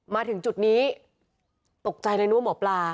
มาถึงจุดนี้ตกใจเลยเนอะหมอปลา